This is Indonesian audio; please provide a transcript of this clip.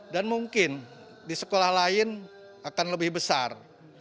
dan mungkin di sekolah lain akan lebih besar